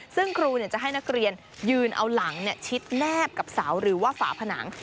ซึ่งครูจะให้นักเรียนยืนเอาหลังชิดแนบกับเสาหรือว่าฝาผนัง